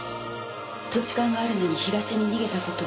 土地勘があるのに東に逃げた事。